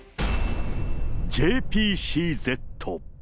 ＪＰＣＺ。